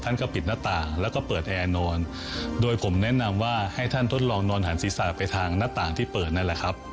ก็ปิดหน้าต่างแล้วก็เปิดแอร์นอนโดยผมแนะนำว่าให้ท่านทดลองนอนหันศีรษะไปทางหน้าต่างที่เปิดนั่นแหละครับ